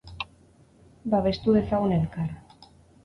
Babestu dezagun elkar.